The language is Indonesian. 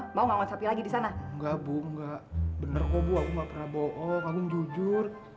mau ngangon sapi lagi di sana enggak bu enggak bener kok bu aku nggak pernah bohong agung jujur